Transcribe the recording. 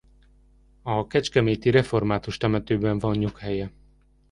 A kecskeméti református temetőben van nyughelye.